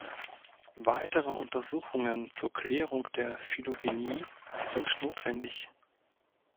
Weitere Untersuchungen zur Klärung der Phylogenie sind notwendig.